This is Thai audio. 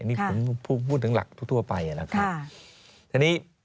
นี่พูดถึงหลักทั่วไปแล้วค่ะ